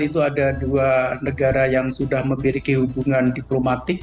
itu ada dua negara yang sudah memiliki hubungan diplomatik